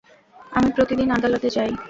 আমি প্রতিদিন আদালতে যাই।